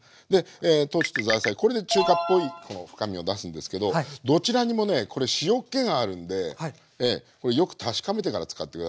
これで中華っぽい深みを出すんですけどどちらにもねこれ塩っ気があるんでよく確かめてから使って下さいね。